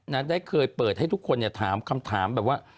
น้าได้เคยเปิดให้ทุกคนถามคำถามแบบว่า